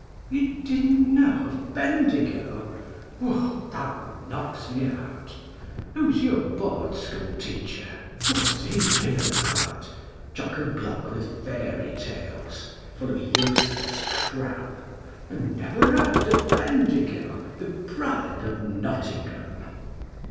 ] You didn't know of Bendigo! Well, that knocks me out! Who's your board school teacher? What's he been about? Chock a block with fairy tales full of useless cram, And never heard o' Bendigo, the pride of Nottingham!